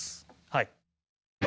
はい。